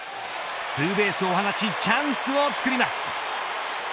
ツーベースを放ちチャンスを作ります。